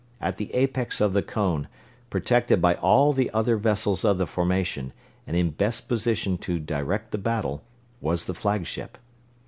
At the apex of the cone, protected by all the other vessels of the formation and in best position to direct the battle, was the flagship.